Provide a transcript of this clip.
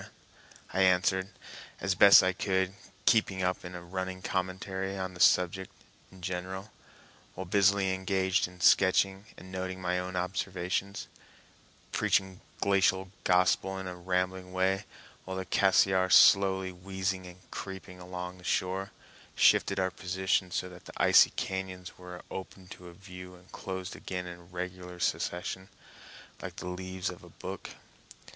I answered as best I could, keeping up a running commentary on the subject in general, while busily engaged in sketching and noting my own observations, preaching glacial gospel in a rambling way, while the Cassiar, slowly wheezing and creeping along the shore, shifted our position so that the icy cañons were opened to view and closed again in regular succession, like the leaves of a book.